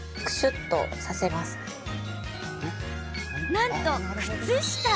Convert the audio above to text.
なんと靴下！